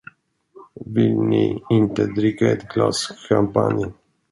Vill ni inte dricka ett glas champagne?